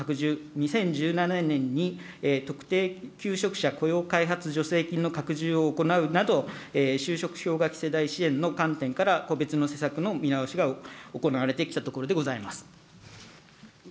２０１２年にはトライアル雇用助成金の拡充、２０１７年に特定求職者雇用開発助成金の拡充を行うなど、就職氷河期世代支援の観点から、個別の施策の見直しが行われてきたところでございます。